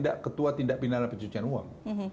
ketua tindak pindah pencucian uang